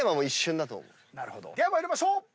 では参りましょう。